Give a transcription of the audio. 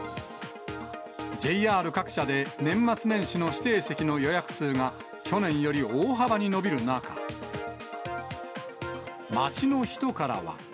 ＪＲ各社で年末年始の指定席の予約数が、去年より大幅に伸びる中、街の人からは。